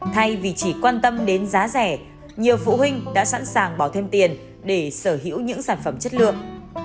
thay vì chỉ quan tâm đến giá rẻ nhiều phụ huynh đã sẵn sàng bỏ thêm tiền để sở hữu những sản phẩm chất lượng